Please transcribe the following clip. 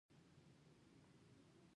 ټولنه مهمه ده.